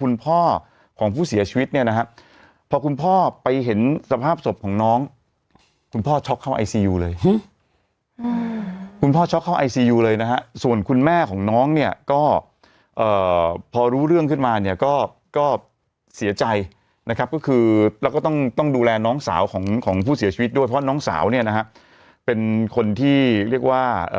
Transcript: คุณพ่อของผู้เสียชีวิตเนี่ยนะฮะพอคุณพ่อไปเห็นสภาพศพของน้องคุณพ่อช็อกเข้าไอซียูเลยคุณพ่อช็อกเข้าไอซียูเลยนะฮะส่วนคุณแม่ของน้องเนี่ยก็พอรู้เรื่องขึ้นมาเนี่ยก็เสียใจนะครับก็คือแล้วก็ต้องต้องดูแลน้องสาวของของผู้เสียชีวิตด้วยเพราะน้องสาวเนี่ยนะฮะเป็นคนที่เรียกว่าเอ่อ